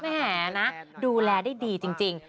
แหมนะดูแลได้ดีจริง